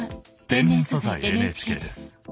「天然素材ＮＨＫ」です。